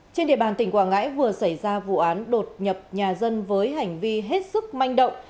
trên địa bàn tỉnh quảng ngãi vừa xảy ra vụ án đột nhập nhà dân với hành vi hết sức manh động